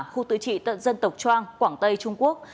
khu tự trị tận dân tộc trang quảng tây trung quốc